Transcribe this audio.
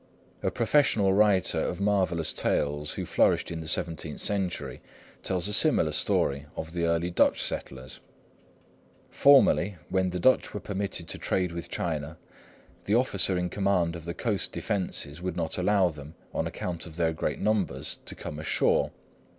A professional writer of marvellous tales who flourished in the seventeenth century tells a similar story of the early Dutch settlers:— "Formerly, when the Dutch were permitted to trade with China, the officer in command of the coast defences would not allow them, on account of their great numbers, to come ashore.